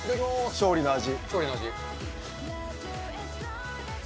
勝利の味。